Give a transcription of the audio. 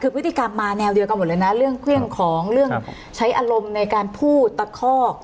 คือพฤติกรรมมาแนวเดียวกันหมดเลยนะเรื่องเครื่องของเรื่องใช้อารมณ์ในการพูดตะคอก